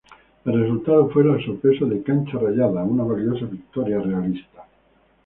El resultado fue la sorpresa de Cancha Rayada, una valiosa victoria realista.